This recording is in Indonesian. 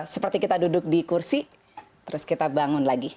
seperti kita duduk di kursi terus kita bangun lagi